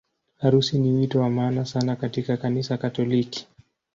Harusi ni wito wa maana sana katika Kanisa Katoliki.